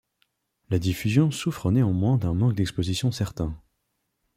La diffusion souffre néanmoins d'un manque d'exposition certain.